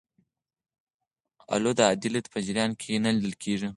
اولو د عادي لید په جریان کې نه لیدل کېږي.